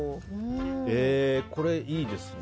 これ、いいですね。